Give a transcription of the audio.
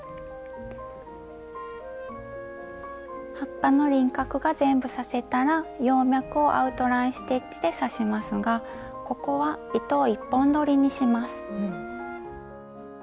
葉っぱの輪郭が全部刺せたら葉脈をアウトライン・ステッチで刺しますがここは糸を１本どりにします。